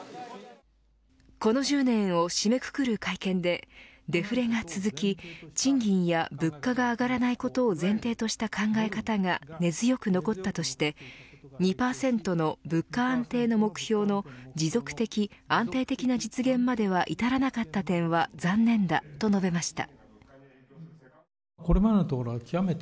この１０年を締めくくる会見でデフレが続き、賃金や物価が上がらないことを前提とした考え方が根強く残ったとして２％の物価安定の目標の、持続的安定的な実現までは至らなかった点は残念だと述べました。